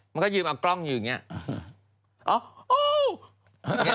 มันก็ยืมเอากล้องอยู่อย่างนี้